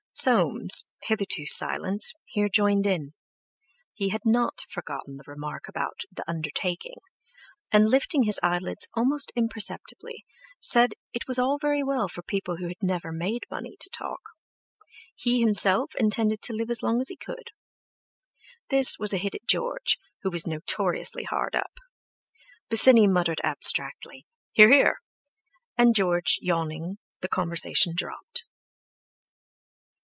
Soames, hitherto silent, here joined in; he had not forgotten the remark about the "undertaking," and, lifting his eyelids almost imperceptibly, said it was all very well for people who never made money to talk. He himself intended to live as long as he could. This was a hit at George, who was notoriously hard up. Bosinney muttered abstractedly "Hear, hear!" and, George yawning, the conversation dropped.